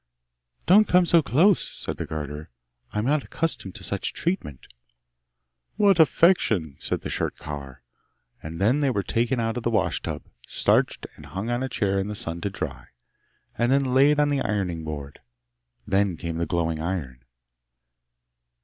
'Don't come so close,' said the garter. 'I'm not accustomed to such treatment!' 'What affectation!' said the shirt collar. And then they were taken out of the wash tub, starched, and hung on a chair in the sun to dry, and then laid on the ironing board. Then came the glowing iron.